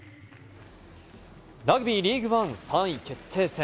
ラグビーリーグワン３位決定戦。